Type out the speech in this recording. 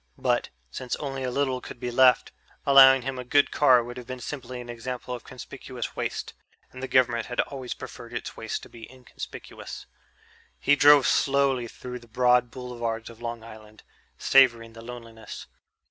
But, since only a little could be left, allowing him a good car would have been simply an example of conspicuous waste, and the government had always preferred its waste to be inconspicuous. He drove slowly through the broad boulevards of Long Island, savoring the loneliness.